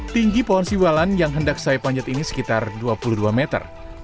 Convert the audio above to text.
tinggi pohon siwalan yang hendak saya panjat ini sekitar dua puluh dua meter